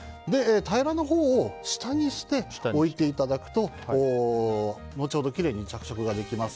平らなほうを下にして置いていただくと後ほどきれいに着色ができます。